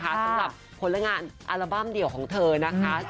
สำหรับผลงานอัลบั้มเดี่ยวของเธอนะคะ